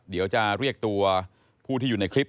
เดี๋ยวจะเรียกตัวผู้ที่อยู่ในคลิป